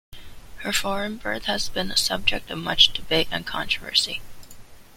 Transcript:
Her foreign birth has been a subject of much debate and controversy.